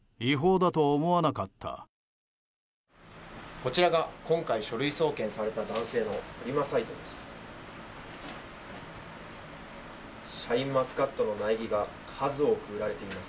こちらが、今回書類送検された男性のフリマサイトです。